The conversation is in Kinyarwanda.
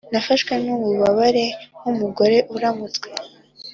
nafashwe n’ububabare nk’umugore uramutswe.